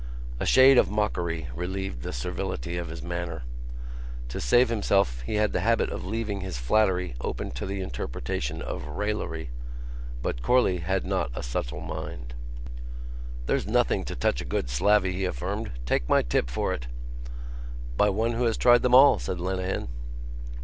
A shade of mockery relieved the servility of his manner. To save himself he had the habit of leaving his flattery open to the interpretation of raillery. But Corley had not a subtle mind. "There's nothing to touch a good slavey," he affirmed. "Take my tip for it." "By one who has tried them all," said Lenehan.